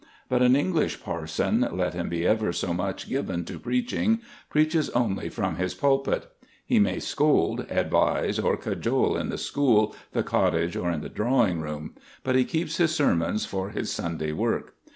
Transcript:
But an English parson, let him be ever so much given to preaching, preaches only from his pulpit. He may scold, advise, or cajole in the school, the cottage, or the drawing room; but he keeps his sermons for his Sunday work.